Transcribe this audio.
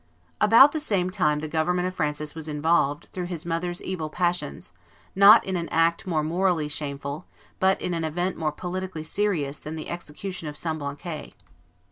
About the same time the government of Francis I. was involved, through his mother's evil passions, not in an act more morally shameful, but in an event more politically serious, than the execution of Semblancay.